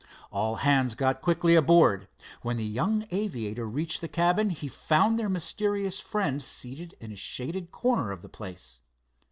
All hands got quickly aboard. When the young aviator reached the cabin he found their mysterious friend seated in a shaded corner of the place.